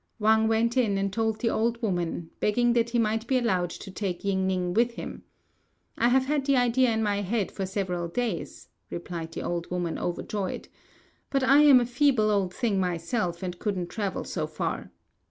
Wang went in and told the old woman, begging that he might be allowed to take Ying ning with him. "I have had the idea in my head for several days," replied the old woman, overjoyed; "but I am a feeble old thing myself, and couldn't travel so far.